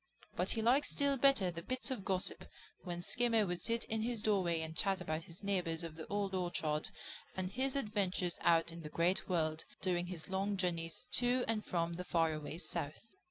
But he liked still better the bits of gossip when Skimmer would sit in his doorway and chat about his neighbors of the Old Orchard and his adventures out in the Great World during his long journeys to and from the far away South.